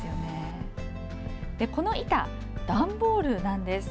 この板、段ボールなんです。